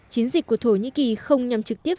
chiến dịch của thổ nhĩ kỳ không nhằm trực tiếp